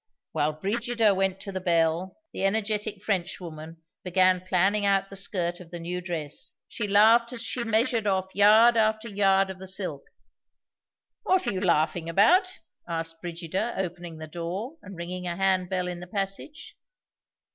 While Brigida went to the bell, the energetic Frenchwoman began planning out the skirt of the new dress. She laughed as she measured off yard after yard of the silk. "What are you laughing about?" asked Brigida, opening the door and ringing a hand bell in the passage.